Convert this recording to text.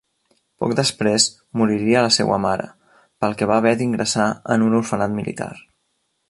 Poc després moriria la seua mare, pel que va haver d'ingressar en un orfenat militar.